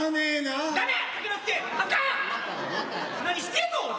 何してんの？